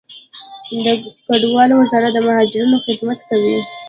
د کډوالو وزارت د مهاجرینو خدمت کوي